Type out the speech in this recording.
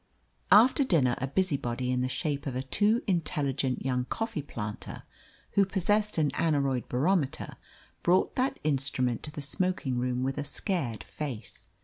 After dinner a busybody in the shape of a too intelligent young coffee planter, who possessed an aneroid barometer, brought that instrument to the smoking room with a scared face.